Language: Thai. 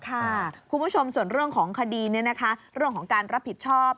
คุณผู้ชมส่วนเรื่องของคดีเรื่องของการรับผิดชอบ